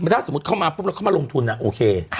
ถ้าสมมุติเข้ามาปุ๊บแล้วเข้ามาลงทุนโอเค